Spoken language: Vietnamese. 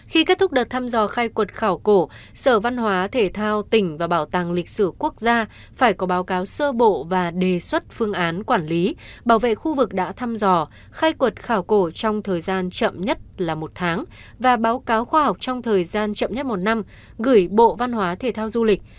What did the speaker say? khi kết thúc đợt thăm dò khai quật khảo cổ sở văn hóa thể thao tỉnh và bảo tàng lịch sử quốc gia phải có báo cáo sơ bộ và đề xuất phương án quản lý bảo vệ khu vực đã thăm dò khai quật khảo cổ trong thời gian chậm nhất là một tháng và báo cáo khoa học trong thời gian chậm nhất một năm gửi bộ văn hóa thể thao du lịch